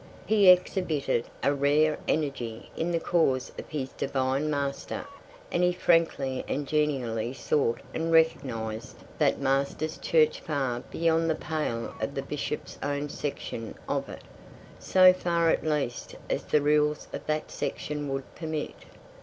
He exhibited a rare energy in the cause of his Divine Master, and he frankly and genially sought and recognized that Master's Church far beyond the pale of the Bishop's own section of it, so far at least as the rules of that section would permit.